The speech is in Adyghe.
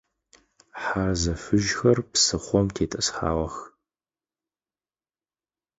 Хьарзэ фыжьхэр псыхъом тетӏысхьагъэх.